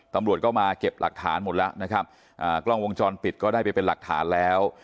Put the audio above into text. ตำรวจก็มาเก็บหลักฐานหมดแล้วนะครับอ่ากล้องวงจรปิดก็ได้ไปเป็นหลักฐานแล้ว